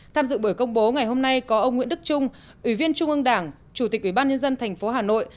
tham dự buổi công bố ngày hôm nay có ông nguyễn đức trung ủy viên trung ương đảng chủ tịch ủy ban nhân dân thành phố hà nội